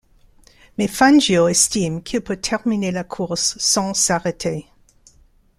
Mais Fangio estime qu'il peut terminer la course sans s'arrêter.